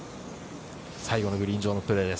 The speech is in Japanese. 最後のグリーン上のプレーです。